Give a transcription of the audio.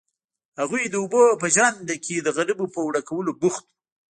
هغوی د اوبو په ژرنده کې د غنمو په اوړه کولو بوخت وو.